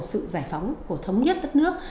sự giải phóng của thống nhất đất nước